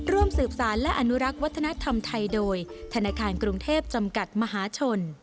ร่วมสืบสารและอนุรักษ์วัฒนธรรมไทยโดยธนาคารกรุงเทพจำกัดมหาชน